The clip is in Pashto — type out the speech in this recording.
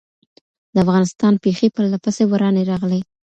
د افغانستان پېښې پرله پسې ورانې راغلې.